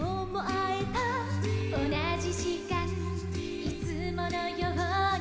「おなじじかんいつものように」